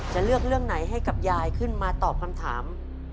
จะเลือกเรื่องไหนให้กับยายขึ้นมาตอบคำถาม